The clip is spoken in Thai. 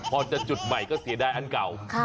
พอจะจุดใหม่ก็เสียดายอันเก่า